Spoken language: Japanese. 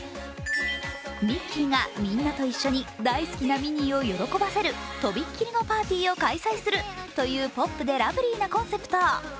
ミッキーがみんなと一緒に大好きなミニーを喜ばせるとびっきりのパーティーを開催するというポップでラブリーなコンセプト。